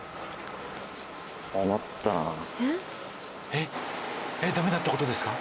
えっダメだって事ですか？